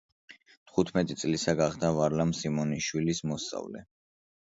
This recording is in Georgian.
თხუთმეტი წლისა გახდა ვარლამ სიმონიშვილის მოსწავლე.